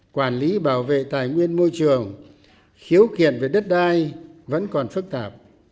quản lý bảo vệ tài nguyên môi trường khiếu kiện về đất đai vẫn còn phức tạp